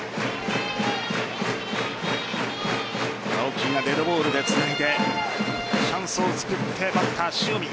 青木がデッドボールでつないでチャンスを作ってバッター・塩見。